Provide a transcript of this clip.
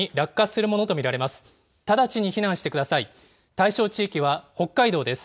対象地域は北海道です。